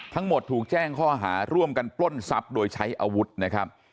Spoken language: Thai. ทั้งหมดถูกแจ้งข้อหาร่วมกันปล้นทรัพย์โดยใช้อาวุธนะครับ